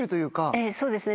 ええそうですね